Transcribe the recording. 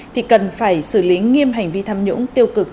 thì cần phải xử lý nghiêm hành vi tham nhũng tiêu cực